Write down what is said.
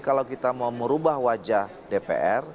kalau kita mau merubah wajah dpr